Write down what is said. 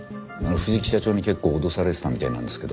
藤木社長に結構脅されてたみたいなんですけど。